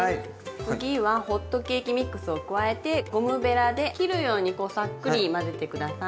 次はホットケーキミックスを加えてゴムベラで切るようにこうさっくり混ぜて下さい。